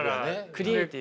クリエイティブ。